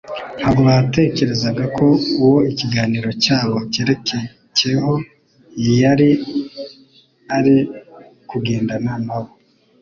Ntabwo batekerezaga ko uwo ikiganiro cyabo cyerekcyeho yari ari kugendana na bo,